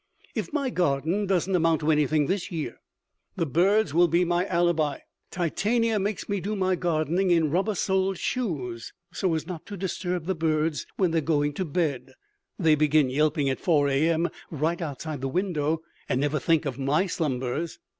If my garden doesn't amount to anything this year the birds will be my alibi. Titania makes me do my gardening in rubber soled shoes so as not to disturb the birds when they are going to bed. (They begin yelping at 4 a.m. right outside the window and never think of my slumbers.)